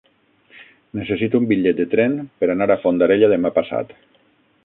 Necessito un bitllet de tren per anar a Fondarella demà passat.